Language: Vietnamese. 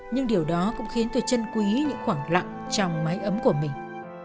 nhưng điều đó cũng khiến tôi chân quý những khoảng lặng trong máy ấm của mình